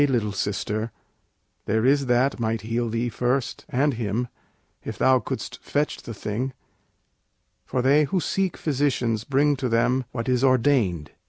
little sister, there is that might heal Thee first, and him, if thou couldst fetch the thing; For they who seek physicians bring to them What is ordained.